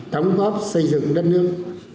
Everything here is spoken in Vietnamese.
đóng góp xây dựng đất nước